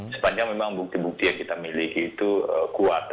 sepanjang memang bukti bukti yang kita miliki itu kuat